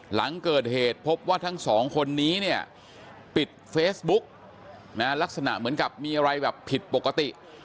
หลังเกิดเหตุพบว่าทั้งสองคนนี้เนี่ยปิดเฟซบุ๊กนะลักษณะเหมือนกับมีอะไรแบบผิดปกติ